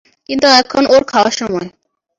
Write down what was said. কিন্তু এখন ওর খাওয়ার সময়।